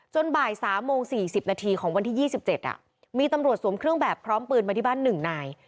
บ่าย๓โมง๔๐นาทีของวันที่๒๗มีตำรวจสวมเครื่องแบบพร้อมปืนมาที่บ้าน๑นาย